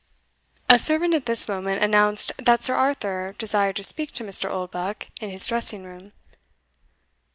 A servant at this moment announced that Sir Arthur desired to speak to Mr. Oldbuck in his dressing room.